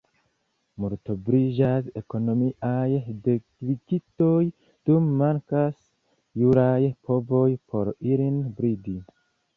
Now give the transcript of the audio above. Multobliĝas ekonomiaj deliktoj, dum mankas juraj povoj por ilin bridi.